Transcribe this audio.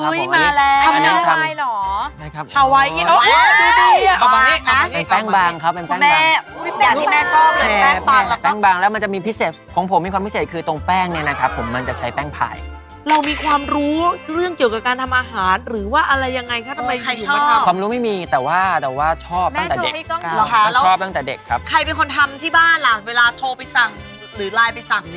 เวลาโทรไปสั่งหรือไลน์ไปสั่งเนี่ย